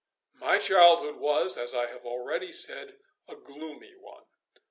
My childhood was, as I have already said, a gloomy one.